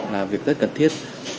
là việc rất cần thiết